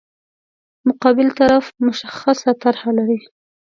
مقابل طرف مشخصه طرح لري.